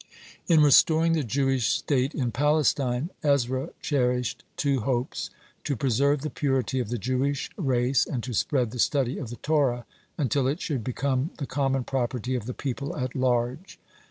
(37) In restoring the Jewish state in Palestine, Ezra cherished two hopes, to preserve the purity of the Jewish race, and to spread the study of the Torah until it should become the common property of the people at large.